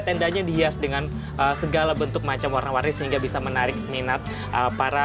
tendanya dihias dengan segala bentuk macam warna warni sehingga bisa menarik minat para